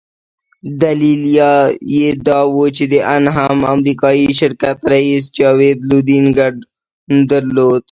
دلیل یې دا وو چې د انهم امریکایي شرکت رییس جاوید لودین ګډون درلود.